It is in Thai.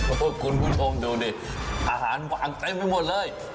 โอ้โหคุณผู้ชมดูดิอาหารวางเต็มไปหมดเลย